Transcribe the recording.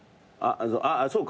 あっそうか。